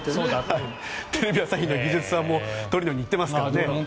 テレビ朝日の技術さんもトリノに行っていますからね。